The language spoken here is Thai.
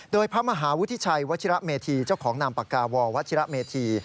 โดยพระมหาวุฒิชัยวัชิระเมธีเจ้าของนามปากกาววัชิระเมธี